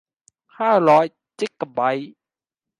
ห้าร้อยจิกะไบต์